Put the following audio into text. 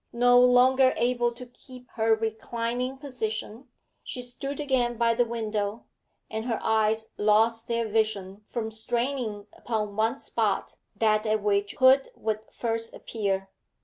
No longer able to keep her reclining position, she stood again by the window, and her eyes lost their vision from straining upon one spot, that at which Hood would first appear.